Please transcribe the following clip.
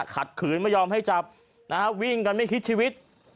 ขัดขืนไม่ยอมให้จับนะฮะวิ่งกันไม่คิดชีวิต